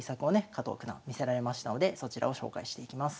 加藤九段見せられましたのでそちらを紹介していきます。